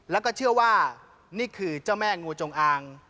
แล้วก็เชื่อว่านี่คือเจ้าแม่งูจงอาง